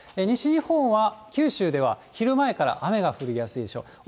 西日本は九州では昼前から雨が降りやすいでしょう。